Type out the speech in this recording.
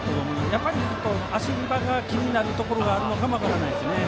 やっぱり足場が気になるところがあるのかも分からないですね。